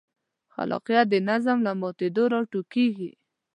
خلاقیت د نظم له ماتېدو راټوکېږي.